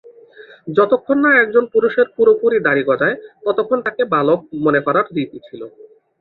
যতক্ষণ না একজন পুরুষের পুরোপুরি দাড়ি গজায়, ততক্ষণ তাকে "বালক" মনে করার রীতি ছিল।